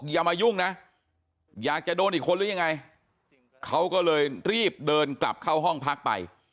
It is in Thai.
อย่ามายุ่งนะอยากจะโดนอีกคนหรือยังไงเขาก็เลยรีบเดินกลับเข้าห้องพักไป